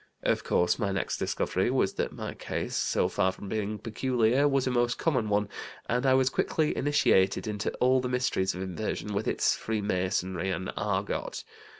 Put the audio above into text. Of course, my next discovery was that my case, so far from being peculiar, was a most common one, and I was quickly initiated into all the mysteries of inversion, with its freemasonry and 'argot.'